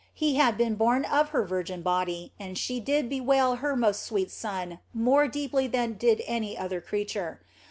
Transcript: He had been born of her virgin body, and she did bewail her most sweet Son more deeply than did any other creature.